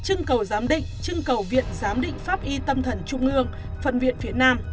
chưng cầu giám định chưng cầu viện giám định pháp y tâm thần trung ương phần viện phía nam